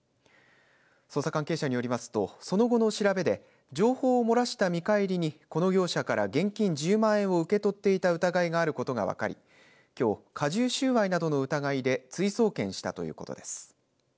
捜査関係者によりますとその後の調べで情報を漏らした見返りにこの業者から現金１０万円を受け取っていた疑いがあることが分かりきょう加重収賄などの疑いで追送検したということです。